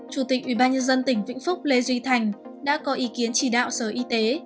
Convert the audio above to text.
chủ tịch ubnd tỉnh vĩnh phúc lê duy thành đã có ý kiến chỉ đạo sở y tế